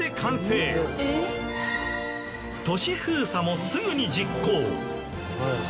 都市封鎖もすぐに実行。